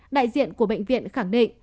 đại diện của bệnh viện khẳng định